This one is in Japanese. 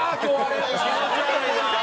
気持ち悪いぞ。